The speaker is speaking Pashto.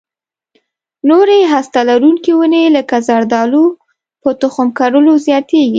نورې هسته لرونکې ونې لکه زردالو په تخم کرلو زیاتېږي.